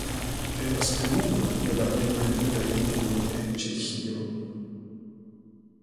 Temas pri unu el la plej maljunaj urboj en Ĉeĥio.